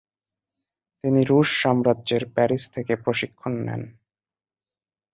তিনি রুশ সাম্রাজ্যের প্যারিস থেকে প্রশিক্ষণ নেন।